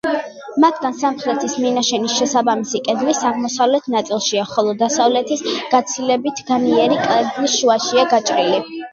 მათგან სამხრეთის მინაშენის შესაბამისი კედლის აღმოსავლეთ ნაწილშია, ხოლო დასავლეთის, გაცილებით განიერი, კედლის შუაშია გაჭრილი.